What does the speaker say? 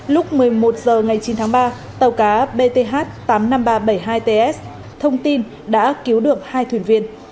lúc một mươi một h ngày chín tháng ba tàu cá bth tám mươi năm nghìn ba trăm bảy mươi hai ts thông tin đã cứu được hai thuyền viên